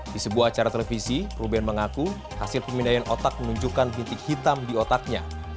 di sebuah acara televisi ruben mengaku hasil pemindaian otak menunjukkan bintik hitam di otaknya